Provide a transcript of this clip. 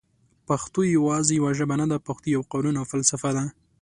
پښتو یواځي یوه ژبه نده پښتو یو قانون او فلسفه ده